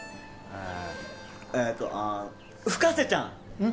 えっとあ深瀬ちゃんうん？